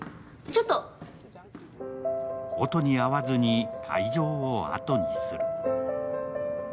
音に会わずに会場をあとにする。